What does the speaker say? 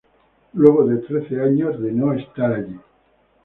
Luego de trece años de no estar allí.